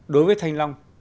đối với thanh long